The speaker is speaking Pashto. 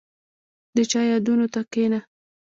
• د چا یادونو ته کښېنه.